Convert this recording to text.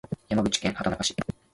山口県畑中市